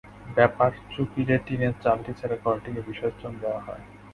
ব্যাপার চুকিলে টিনের চালটি ছাড়া ঘরটিকে বিসর্জন দেওয়া হয়।